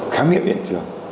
khám nghiệm hiện trường